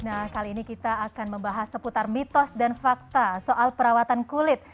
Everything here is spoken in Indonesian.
nah kali ini kita akan membahas seputar mitos dan fakta soal perawatan kulit